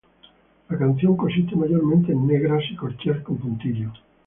La canción consiste mayormente de negras y corcheas con puntillo.